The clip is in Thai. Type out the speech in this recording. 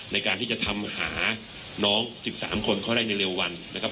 ในการที่จะทำหาน้อง๑๓คนเขาได้ในเร็ววันนะครับ